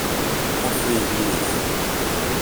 Θα φύγεις;